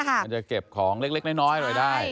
มันจะเก็บของเล็กน้อยอะไรได้